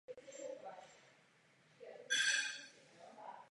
Leží blízko hranice s Bosnou a Hercegovinou.